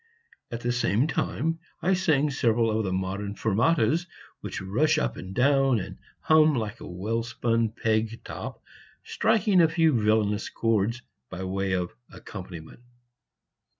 At the same time I sang several of the modern fermatas, which rush up and down and hum like a well spun peg top, striking a few villainous chords by way of accompaniment.